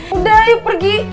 udah ayo pergi